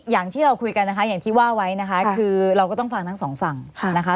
อย่างที่เราคุยกันนะคะอย่างที่ว่าไว้นะคะคือเราก็ต้องฟังทั้งสองฝั่งนะคะ